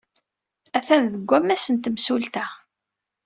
Attan deg wammas n temsulta.